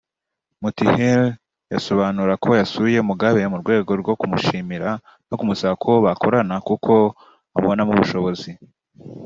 Mutinhiri yasobanura ko yasuye Mugabe mu rwego rwo kumushimira no kumusaba ko bakorana kuko amubonamo ubushobozi